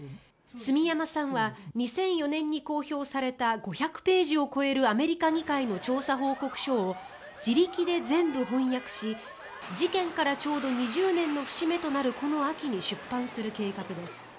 住山さんは２００４年に公表された５００ページを超えるアメリカ議会の調査報告書を自力で全部翻訳し事件から、ちょうど２０年の節目となるこの秋に出版する計画です。